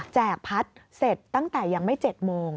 พัดเสร็จตั้งแต่ยังไม่๗โมง